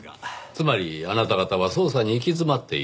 つまりあなた方は捜査に行き詰まっている。